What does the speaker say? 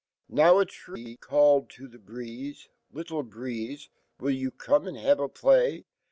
,a tre called to he breeze i "Little breeze,, ou come and have a play